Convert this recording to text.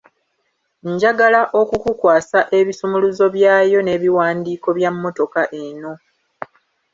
Njagala okukukwasa ebisumuluzo byayo n'ebiwandiiko bya mmotoka eno!